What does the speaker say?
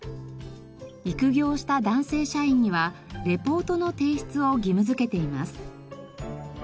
育業した男性社員にはレポートの提出を義務づけています。